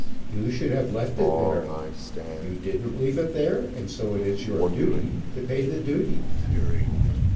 You should have left it there. You didn't leave it there, and so it is your duty to pay the duty."